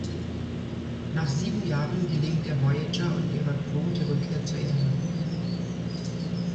Nach sieben Jahren gelingt der Voyager und ihrer Crew die Rückkehr zur Erde.